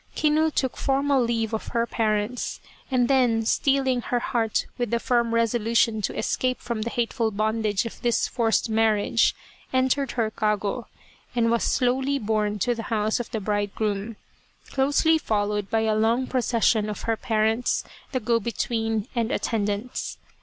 Kinu took formal leave of her parents, and then, steeling her heart with the firm resolution to escape from the hateful bondage of this forced marriage, entered her kago, and was slowly borne to the house of the bridegroom, closely followed by a long procession of her parents, the go between, and attendants.